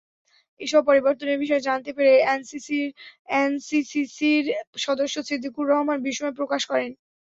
এসব পরিবর্তনের বিষয়ে জানতে পেরে এনসিসিসির সদস্য ছিদ্দিকুর রহমান বিস্ময় প্রকাশ করেন।